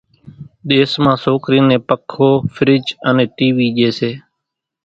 ۮيس مان سوڪرِي نين پکو، ڦِرج انين ٽِي وِي ڄيَ سي۔